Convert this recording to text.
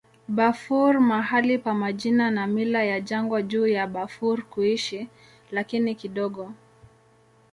Bafur mahali pa majina na mila ya jangwa juu ya Bafur kuishi, lakini kidogo.